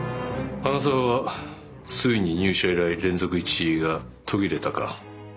花澤はついに入社以来連続１位が途切れたか。